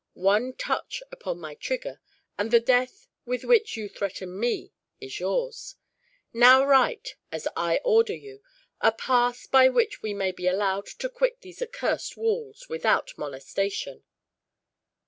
One touch upon my trigger, and the death with which you threaten me is yours. Now write, as I order you, a pass by which we may be allowed to quit these accursed walls, without molestation."